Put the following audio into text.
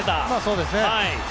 そうですね。